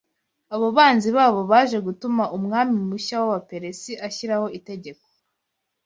abo banzi babo baje gutuma umwami mushya w’Abaperesi ashyiraho itegeko